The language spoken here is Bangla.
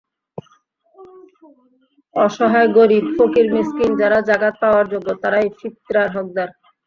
অসহায় গরিব, ফকির, মিসকিন যারা জাকাত পাওয়ার যোগ্য, তারাই ফিতরার হকদার।